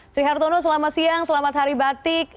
sri hartono selamat siang selamat hari batik